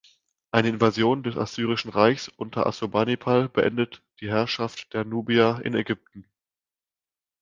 Eine Invasion des Assyrische Reiches unter Assurbanipal beendet die Herrschaft der Nubier in Ägypten.